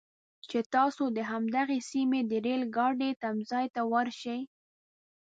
چې تاسو د همدغې سیمې د ریل ګاډي تمځي ته ورشئ.